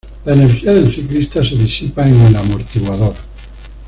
La energía del ciclista se disipa en el amortiguador.